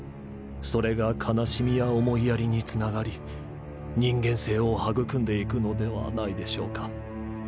それが悲しみや思いやりにつながり人間性を育んでいくのではないでしょうか。